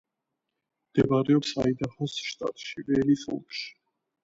მდებარეობს აიდაჰოს შტატში, ველის ოლქში.